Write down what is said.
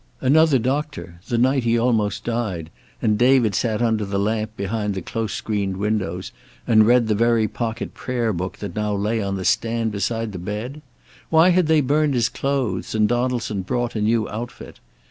Another doctor, the night he almost died, and David sat under the lamp behind the close screened windows, and read the very pocket prayer book that now lay on the stand beside the bed? Why had they burned his clothes, and Donaldson brought a new outfit?